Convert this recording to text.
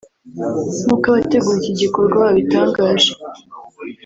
nk’uko abategura iki gikorwa babitangaje